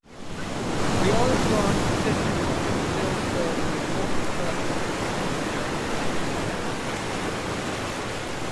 The Olive Branch Petition still served an important purpose in American independence.